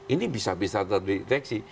ini bisa bisa terdeteksi